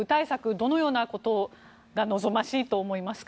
どのようなことが望ましいと思いますか？